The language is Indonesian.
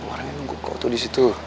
orangnya nunggu kau tuh disitu